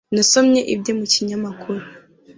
nasomye ibye mu kinyamakuru